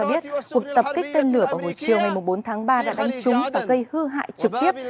cho biết cuộc tập kích tên lửa vào buổi chiều ngày bốn tháng ba đã đánh trúng và gây hư hại trực tiếp